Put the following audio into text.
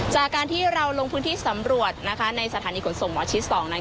จากการที่เราลงพื้นที่สำรวจในสถานีขนส่งหมอชิด๒นั้น